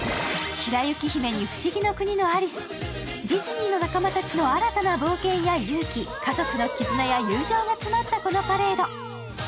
白雪姫に不思議の国のアリス、ディズニーの仲間たちの新たな冒険や勇気、家族の絆や友情が詰まったこのパレード。